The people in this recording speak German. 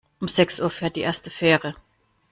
Um sechs Uhr fährt die erste Fähre.